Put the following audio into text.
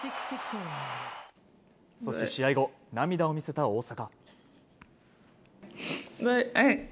そして試合後、涙を見せた大坂。